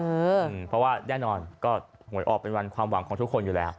เพราะว่าแน่นอนก็หวยออกเป็นวันความหวังของทุกคนอยู่แล้ว